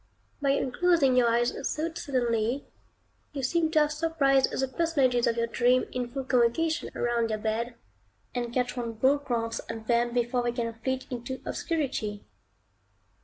By unclosing your eyes so suddenly, you seem to have surprised the personages of your dream in full convocation round your bed, and catch one broad glance at them before they can flit into obscurity.